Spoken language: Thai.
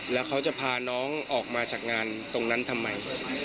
แล้วเขาจะพาน้องออกมาจากงานตรงนั้นทำไม